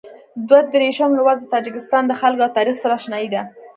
دوه دېرشم لوست د تاجکستان له خلکو او تاریخ سره اشنايي ده.